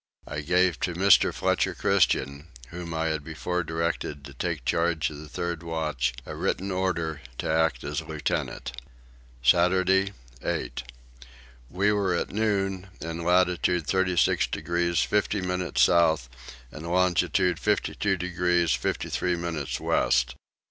I gave to Mr. Fletcher Christian, whom I had before directed to take charge of the third watch, a written order to act as lieutenant. Saturday 8. We were at noon in latitude 36 degrees 50 minutes south and longitude 52 degrees 53 minutes west.